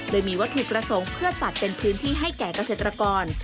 โดยมีวัตถุประสงค์เพื่อจัดเป็นพื้นที่ให้แก่เกษตรกร